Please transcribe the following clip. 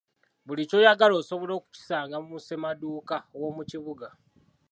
Buli ky’oyagala osobola okukisanga mu ssemaduuka w’omu kibuga.